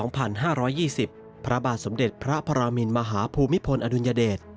ปี๒๕๒๐พระบาทสมเด็จพระพระมิณมหาภูมิพลอดุญเดช